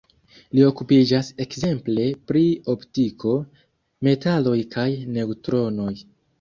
Li okupiĝas ekzemple pri optiko, metaloj kaj neŭtronoj.